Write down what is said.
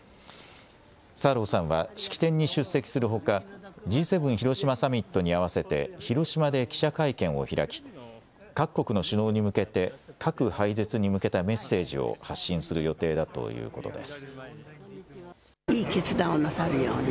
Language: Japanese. サーローさんは式典に出席するほかＧ７広島サミットに合わせて広島で記者会見を開き各国の首脳に向けて核廃絶に向けたメッセージを発信する予定だということです。